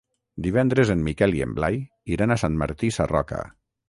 Divendres en Miquel i en Blai iran a Sant Martí Sarroca.